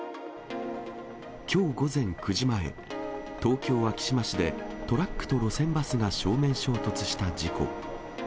きょう午前９時前、東京・昭島市でトラックと路線バスが正面衝突した事故。